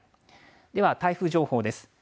では台風情報です。